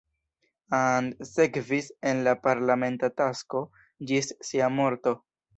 And sekvis en la parlamenta tasko ĝis sia morto.